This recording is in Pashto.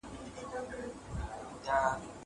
زه مخکي موسيقي اورېدلې وه.